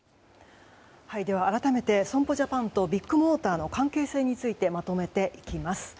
では、改めて損保ジャパンとビッグモーターの関係性についてまとめていきます。